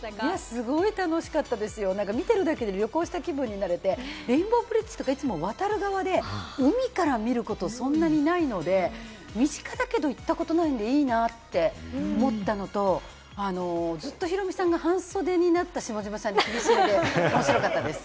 すごい楽しかった、見てるだけで旅行している気分になれて、レインボーブリッジっていつも渡る側で、海から見ることそんなにないので、身近だけれども行ったことないのでいいなって思ったのと、ずっとヒロミさんが半袖になった下嶋さんに厳しめで面白かったです。